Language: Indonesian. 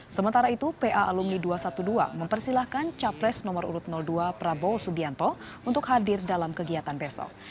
sementara itu pa alumni dua ratus dua belas mempersilahkan capres nomor urut dua prabowo subianto untuk hadir dalam kegiatan besok